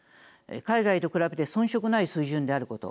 海外と比べて遜色ない水準であること。